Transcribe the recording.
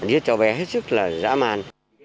điết cho bé hết sức là dã man